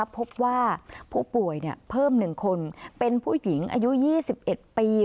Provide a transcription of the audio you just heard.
พบว่าผู้ป่วยเพิ่ม๑คนเป็นผู้หญิงอายุ๒๑ปี